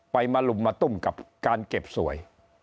มาลุมมาตุ้มกับการเก็บสวย